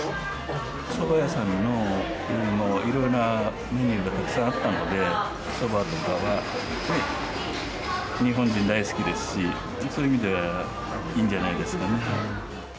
そば屋さんのいろいろなメニューがたくさんあったので、そばとかは、日本人大好きですし、そういう意味ではいいんじゃないですかね。